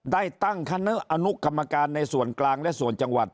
ได้ตั้งคณะอนุกรรมการในส่วนกลางและส่วนจังหวัด